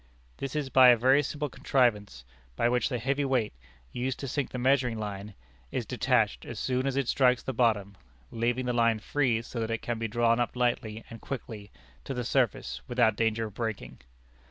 This is by a very simple contrivance, by which the heavy weight, used to sink the measuring line, is detached as soon as it strikes bottom, leaving the line free so that it can be drawn up lightly and quickly to the surface without danger of breaking.